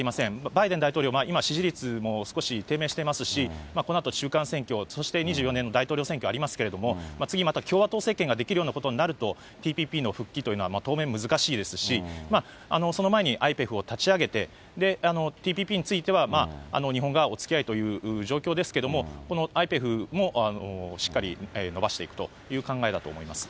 バイデン大統領、今、支持率も少し低迷してますし、このあと中間選挙、そして２４年の大統領選挙ありますけれども、次、また共和党政権が出来るようなことになると、ＴＰＰの復帰というのは、当面難しいですし、その前にアイペフを立ち上げて、ＴＰＰについては日本側はおつきあいという状況ですけれども、このアイペフもしっかり伸ばしていくという考えだと思います。